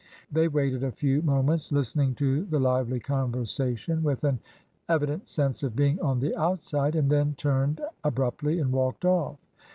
They waited a few moments, listening to the lively conversation with an evi dent sense of being on the outside, and then turned ab ruptly and walked off.